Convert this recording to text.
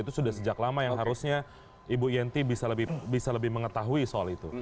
itu sudah sejak lama yang harusnya ibu yenti bisa lebih mengetahui soal itu